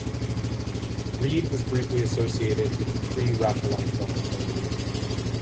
Read was briefly associated with the Pre-Raphaelite Brotherhood.